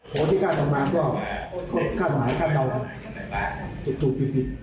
พอทิกาต่อมาก็ค่าหมายค่าเดาถูก